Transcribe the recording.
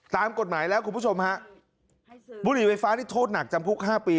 ตามกฎหมายแล้วคุณผู้ชมฮะบุหรี่ไฟฟ้านี่โทษหนักจำคุกห้าปี